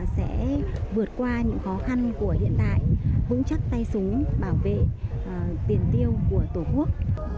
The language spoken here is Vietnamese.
sẽ vượt qua những khó khăn của hiện tại vững chắc tay súng bảo vệ tiền tiêu của tổ quốc